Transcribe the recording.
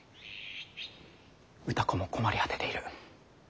歌子も困り果てている。